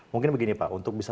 mungkin begini pak untuk bisa